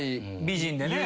美人でね。